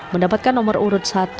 mendapatkan nomor urut satu